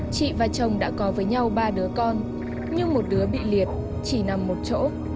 chị và chồng đã có với nhau ba đứa con nhưng một đứa bị liệt chỉ nằm một chỗ